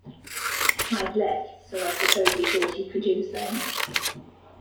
I'd left so I suppose he thought he could do the same.